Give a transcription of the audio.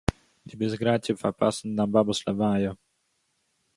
דו ביסט גרייט צו פאַרפּאַסן דיין באַבע'ס לוי'